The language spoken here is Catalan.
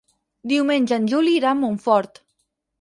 Diumenge en Juli irà a Montfort.